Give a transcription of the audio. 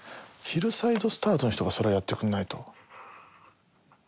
ヒルサイドスタートの人がそれはやってくんないと。